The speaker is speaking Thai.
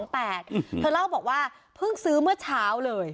เธอเล่าบอกว่าเพิ่งซื้อเมื่อเช้าเลย